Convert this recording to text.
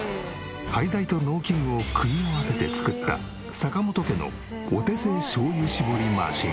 廃材と農機具を組み合わせて作った坂本家のお手製しょうゆ搾りマシン。